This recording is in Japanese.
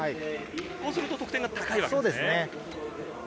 こうすると得点が高いわけですね。